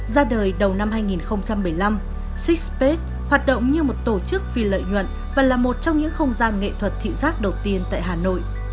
ra đời đầu năm hai nghìn một mươi năm six space hoạt động như một tổ chức phi lợi nhuận và là một trong những không gian nghệ thuật thị giác đầu tiên tại hà nội